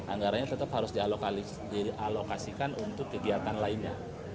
anggarannya tetap harus dialokasikan untuk kegiatan lainnya